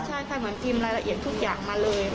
ใช่ค่ะเหมือนพิมพ์รายละเอียดทุกอย่างมาเลย